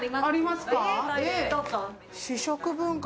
試食文化。